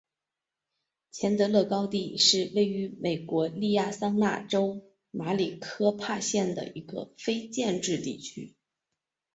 钱德勒高地是位于美国亚利桑那州马里科帕县的一个非建制地区。